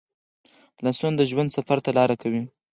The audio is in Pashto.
لاسونه د ژوند سفر ته لار کوي